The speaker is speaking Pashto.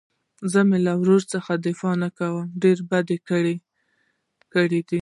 زه مې له ورور څخه دفاع نه کوم ډېر بد کار يې کړى.